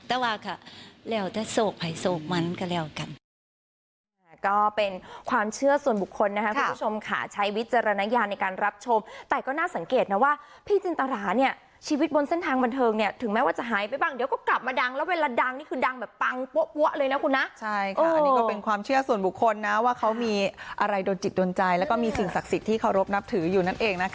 แต่ว่าค่ะแล้วแต่โศกภัยโศกมันก็แล้วกัน